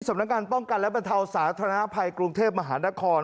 สำนักงานป้องกันและบรรเทาสาธารณภัยกรุงเทพมหานคร